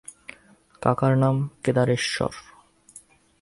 কাকার নাম কেদারেশ্বর।